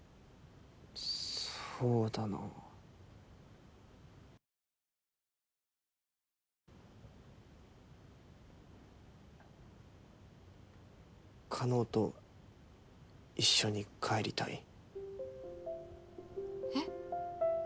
そうだな叶と一緒に帰りたいえっ？